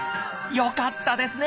よかったですね！